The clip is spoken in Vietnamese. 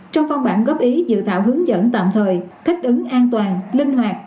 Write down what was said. trong phong bản góp ý dự tạo hướng dẫn tạm thời thích ứng an toàn linh hoạt